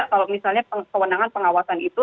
kalau misalnya kewenangan pengawasan itu